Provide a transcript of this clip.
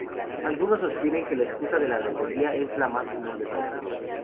Algunos sostienen que la excusa de la lotería es la más común de todas.